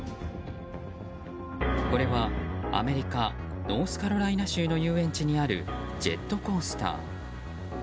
ここはアメリカ・ノースカロライナ州の遊園地にあるジェットコースター。